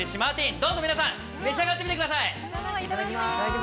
どうぞ皆さん、召し上がってみてください。